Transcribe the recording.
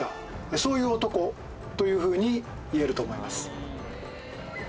そういう男というふうに言えると思います。